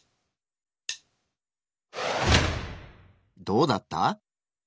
どうだった？